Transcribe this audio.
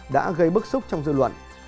đã gây bức xúc trong dư luận